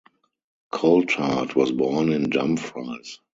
Coltart was born in Dumfries.